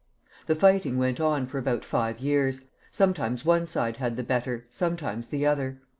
The fighting went on for about five years ; sometimes one side had the better, sometimes the other.